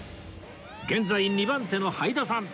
現在２番手のはいださん